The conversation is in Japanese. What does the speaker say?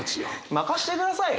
任してくださいよ。